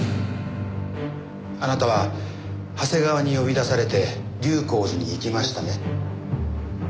あなたは長谷川に呼び出されて龍口寺に行きましたね？